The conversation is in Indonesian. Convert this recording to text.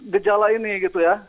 gejala ini gitu ya